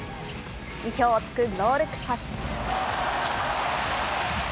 意表を突くノールックパス。